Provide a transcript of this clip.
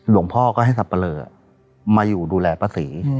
หลวงพ่อก็ให้สับปะเลอมาอยู่ดูแลป้าศรี